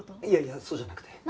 いやいやそうじゃなくて。